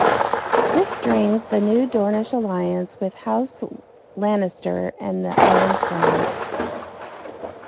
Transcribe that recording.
This strains the new Dornish alliance with House Lannister and the Iron Throne.